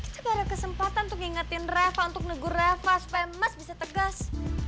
kita ada kesempatan untuk ngingetin reva untuk negur reva supaya mas bisa tegas